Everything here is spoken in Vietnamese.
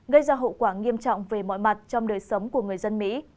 gây ra hậu quả nghiêm trọng về mọi mặt trong đời sống của người dân mỹ